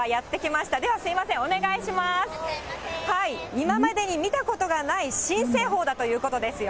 今までに見たことがない新製法だということですよ。